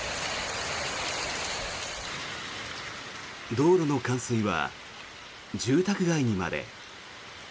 道路の冠水は住宅街にまで。